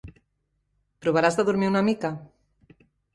Provaràs de dormir una mica?